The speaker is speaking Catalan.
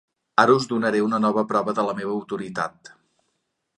Ara us donaré una nova prova de la meva autoritat.